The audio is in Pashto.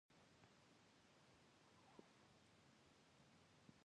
لوستې میندې د ماشومانو د روغتیا پوښتنې څاري.